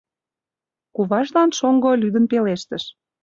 Куважлан шоҥго лӱдын пелештыш: